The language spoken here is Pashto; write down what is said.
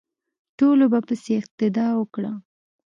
ټولو په ده پسې اقتدا وکړه.